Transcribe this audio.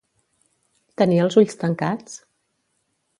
Tenia els ulls tancats?